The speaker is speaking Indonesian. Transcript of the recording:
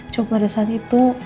cuma pada saat itu